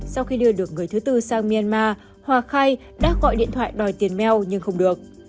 sau khi đưa được người thứ tư sang myanmar hòa khai đã gọi điện thoại đòi tiền mel nhưng không được